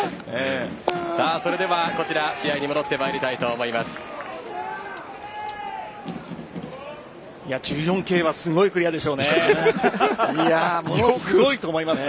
それでは試合に戻ってまいりたいと思います。